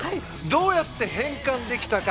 どうやって変換できたか。